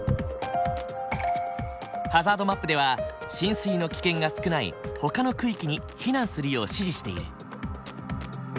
ハザードマップでは浸水の危険が少ないほかの区域に避難するよう指示している。